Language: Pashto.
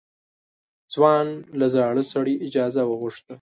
ځوان له زاړه سړي اجازه وغوښته.